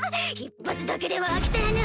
１発だけでは飽き足らぬ。